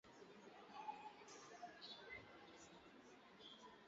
Bi egun geroago alta jaso zuen tratamendua bere etxean jarraitzeko.